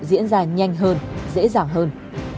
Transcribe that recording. diễn ra nhanh hơn dễ dàng hơn